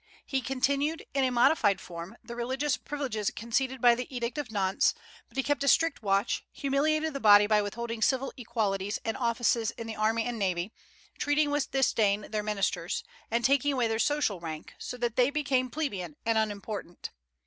He continued, in a modified form, the religious privileges conceded by the Edict of Nantes; but he kept a strict watch, humiliated the body by withholding civil equalities and offices in the army and navy, treating with disdain their ministers, and taking away their social rank, so that they became plebeian and unimportant.